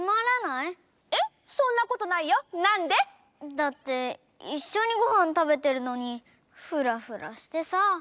だっていっしょにごはんたべてるのにフラフラしてさ。